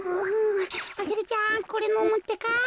アゲルちゃんこれのむってか。